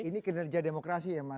ini kinerja demokrasi ya mas